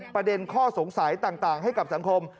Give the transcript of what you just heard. ประเด็นข้อสงสัยต่างให้กับสังคม